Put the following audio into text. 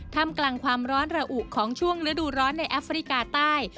ทำกลางความร้อนระอุของช่วงฤดูร้อนในแอฟริกาใต้